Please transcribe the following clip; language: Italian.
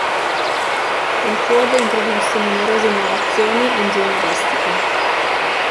Il Quad introdusse numerose innovazioni ingegneristiche.